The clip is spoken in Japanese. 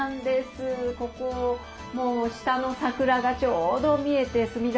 ここもう下の桜がちょうど見えて。